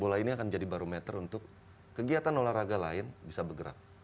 bola ini akan jadi barometer untuk kegiatan olahraga lain bisa bergerak